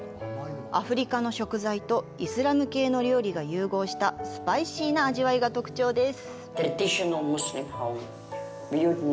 アフリカの食材とイスラム系の料理が融合したスパイシーな味わいが特徴です。